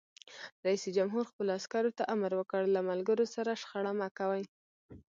رئیس جمهور خپلو عسکرو ته امر وکړ؛ له ملګرو سره شخړه مه کوئ!